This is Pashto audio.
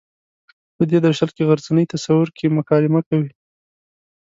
په دې درشل کې غرڅنۍ تصور کې مکالمه کوي.